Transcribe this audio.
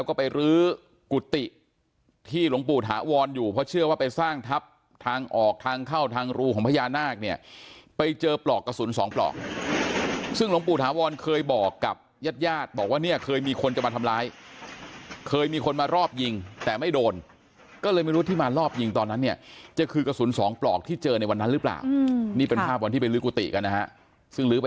ก็ไปรื้อกุฏิที่หลวงปู่ถาวรอยู่เพราะเชื่อว่าไปสร้างทับทางออกทางเข้าทางรูของพญานาคเนี่ยไปเจอปลอกกระสุนสองปลอกซึ่งหลวงปู่ถาวรเคยบอกกับญาติญาติบอกว่าเนี่ยเคยมีคนจะมาทำร้ายเคยมีคนมารอบยิงแต่ไม่โดนก็เลยไม่รู้ที่มารอบยิงตอนนั้นเนี่ยจะคือกระสุนสองปลอกที่เจอในวันนั้นหรือเปล่านี่เป็นภาพวันที่ไปลื้อกุฏิกันนะฮะซึ่งลื้อไป